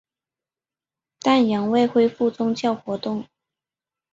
但仍未恢复宗教活动。